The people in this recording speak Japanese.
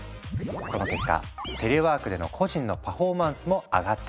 その結果テレワークでの個人のパフォーマンスも上がっていく。